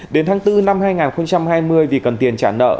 đến tháng bốn năm hai nghìn hai mươi vì cần tiền trả nợ